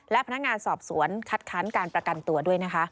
และพนักงานสอบสวนคัดค้านการประกันตัวด้วยนะคะ